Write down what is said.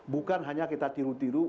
bukan hanya kita tiru tiru